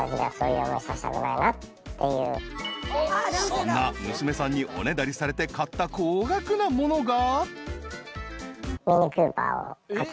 ［そんな娘さんにおねだりされて買った高額なものが］